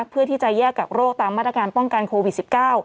เพื่อที่จะแยกกักโรคตามมาตรการป้องกันโควิด๑๙